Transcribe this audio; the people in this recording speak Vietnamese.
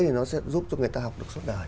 thì nó sẽ giúp cho người ta học được suốt đời